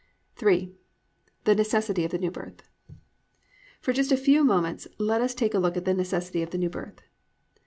_ III. THE NECESSITY OF THE NEW BIRTH For just a few moments let us look at the necessity of the New Birth.